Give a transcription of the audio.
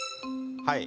はい。